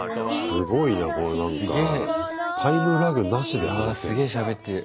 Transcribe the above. すごいなこのなんかタイムラグなしで話せる。